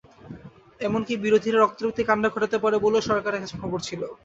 এমনকি বিরোধীরা রক্তারক্তি কাণ্ড ঘটাতে পারে বলেও সরকারের কাছে খবর ছিল।